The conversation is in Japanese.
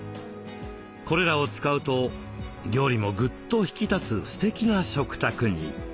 これらを使うと料理もぐっと引き立つすてきな食卓に。